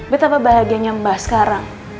betapa bahagianya mba sekarang